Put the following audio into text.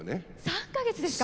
３か月ですか？